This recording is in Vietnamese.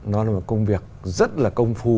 nó là một công việc rất là công phu